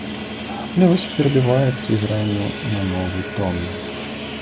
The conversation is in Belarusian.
Але вось перабіваецца ігранне на новы тон.